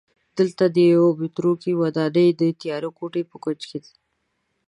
دلته د یوې متروکې ودانۍ د تیارې کوټې په کونج کې